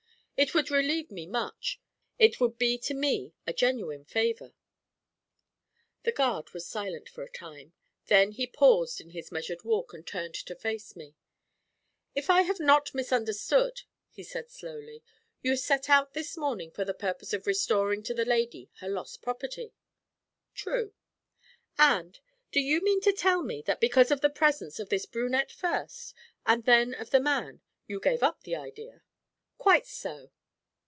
It would relieve me much; it would be to me a genuine favour. The guard was silent for a time; then he paused in his measured walk and turned to face me. 'If I have not misunderstood,' he said slowly, 'you set out this morning for the purpose of restoring to the lady her lost property?' 'True.' 'And do you mean to tell me that because of the presence of this brunette first, and then of the man, you gave up the idea?' 'Quite so.'